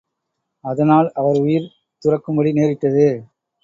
அதனால் அவர் உயிர் துறக்கும்படி நேரிட்டது.